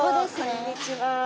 こんにちは。